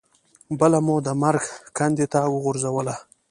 بله مو د مرګ کندې ته وغورځوله.